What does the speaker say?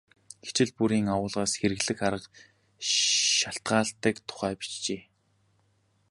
Хичээл бүрийн агуулгаас хэрэглэх арга шалтгаалдаг тухай бичжээ.